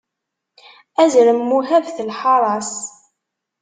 Azrem muhabet lḥaṛa-s.